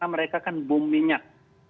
mereka kan bum minyak